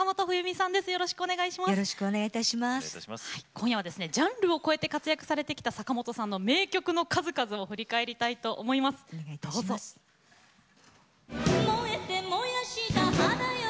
さて、今夜はジャンルを超えて活躍されてきた坂本冬美さんの名曲の数々を振り返りましょう。